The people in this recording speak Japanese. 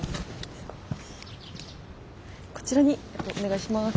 こちらにお願いします。